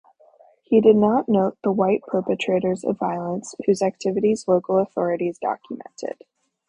He did not note the white perpetrators of violence, whose activities local authorities documented.